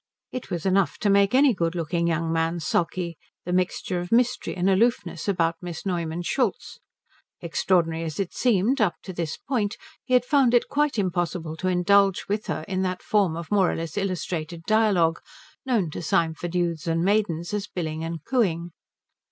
It was enough to make any good looking young man sulky, the mixture of mystery and aloofness about Miss Neumann Schultz. Extraordinary as it seemed, up to this point he had found it quite impossible to indulge with her in that form of more or less illustrated dialogue known to Symford youths and maidens as billing and cooing.